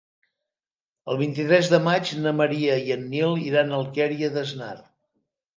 El vint-i-tres de maig na Maria i en Nil iran a l'Alqueria d'Asnar.